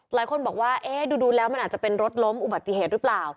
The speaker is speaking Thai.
หลายคนบอกว่าเอ๊ะดูแล้วมันอาจจะเป็นรถล้มอุบัติเหตุหรือเปล่า